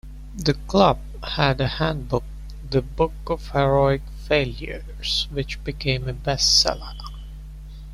The club had a handbook, "The Book of Heroic Failures", which became a best-seller.